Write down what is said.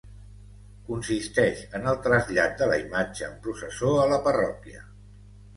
Consisteix en el trasllat de la imatge en processó a la parròquia.